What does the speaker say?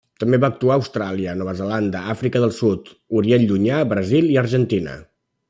També va actuar a Austràlia, Nova Zelanda, Àfrica del Sud, Orient Llunyà, Brasil i Argentina.